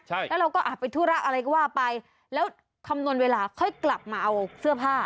ใช่แล้วเราก็อาจไปธุระอะไรก็ว่าไปแล้วคำนวณเวลาค่อยกลับมาเอาเสื้อผ้า